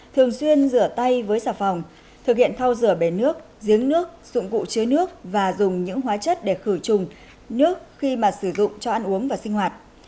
thường xuyên rửa tay với xà phòng thực hiện thao rửa bể nước giếng nước dụng cụ chứa nước và dùng những hóa chất để khử trùng nước khi mà sử dụng cho ăn uống và sinh hoạt